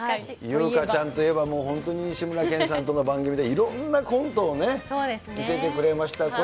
優香ちゃんといえば、もう本当に志村けんさんとの番組で、いろんなコントをね、見せてくれました。